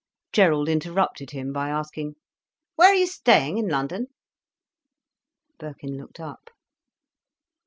Gerald interrupted him by asking, "Where are you staying in London?" Birkin looked up.